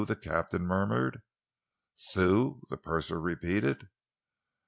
the captain murmured. "Thew!" the purser repeated.